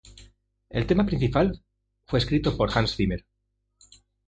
El tema principal fue escrito por Hans Zimmer.